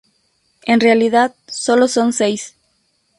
En realidad solo son seis.